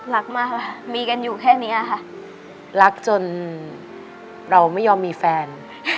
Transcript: รักมากค่ะมีกันอยู่แค่นี้ค่ะรักจนเราไม่ยอมมีแฟน